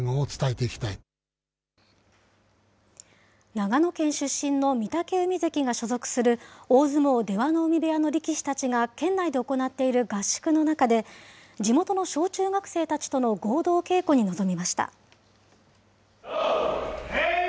長野県出身の御嶽海関が所属する所属する大相撲・出羽海部屋の力士たちが県内で行っている合宿の中で、地元の小中学生たちとの合同稽古に臨みました。